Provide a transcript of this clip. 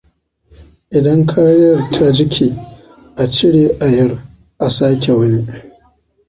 idan kariyar ta jike a cire a yar a sake wani.